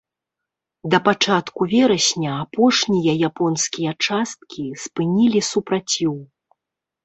Да пачатку верасня апошнія японскія часткі спынілі супраціў.